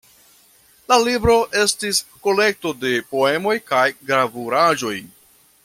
La libro estis kolekto de poemoj kaj gravuraĵoj.